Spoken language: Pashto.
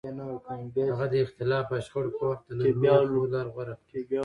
هغه د اختلاف او شخړو په وخت د نرمۍ او خبرو لار غوره کړه.